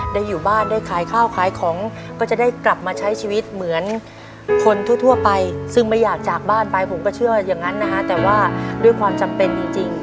อยู่บ้านได้ขายข้าวขายของก็จะได้กลับมาใช้ชีวิตเหมือนคนทั่วไปซึ่งไม่อยากจากบ้านไปผมก็เชื่ออย่างนั้นนะฮะแต่ว่าด้วยความจำเป็นจริง